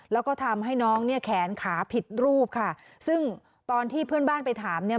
แล้วก็ทำให้น้องเนี่ยแขนขาผิดรูปค่ะซึ่งตอนที่เพื่อนบ้านไปถามเนี่ย